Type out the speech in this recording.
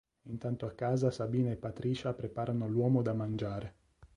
Intanto a casa Sabina e Patricia preparano l'uomo da mangiare.